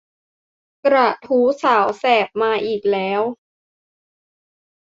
กระทู้สาวแสบมาอีกแล้ว